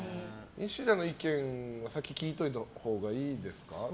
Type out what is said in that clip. ニシダの意見は先聞いておいたほうがいいですか？